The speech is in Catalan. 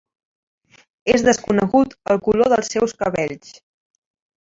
És desconegut el color dels seus cabells.